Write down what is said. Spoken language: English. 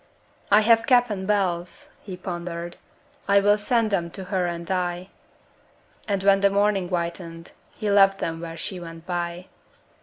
'I have cap and bells,' he pondered, 'I will send them to her and die'; And when the morning whitened He left them where she went by.